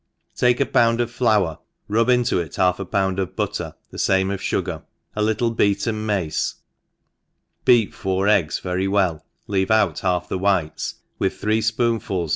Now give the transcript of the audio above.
TAKE a pound of floyr, rub it into half a pcmAd of butter^ the fanie of fugar, a littic beaten mace, beat four eggs very lyell (leave out half the whites) with three fpoonfuls.